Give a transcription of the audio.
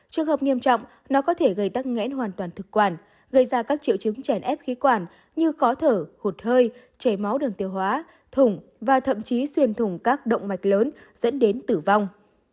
trường hợp nghiêm trọng nó có thể gây tắc nghẽn hoàn toàn thực quản gây ra các triệu chứng chèn ép khí quản như khó thở hụt hơi chảy máu đường tiêu hóa thủng và thậm chí xuyên thủng các động mạch lớn dẫn đến tử vong